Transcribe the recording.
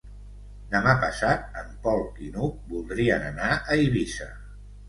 Demà passat en Pol i n'Hug voldrien anar a Eivissa.